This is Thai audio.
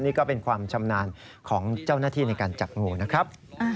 นี่ก็เป็นความชำนาญของเจ้าหน้าที่ในการจับงูนะครับ